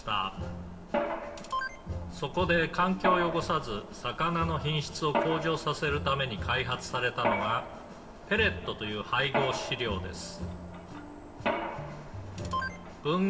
「そこで環境を汚さず魚の品質を向上させるために開発されたのがペレットという配合飼料です」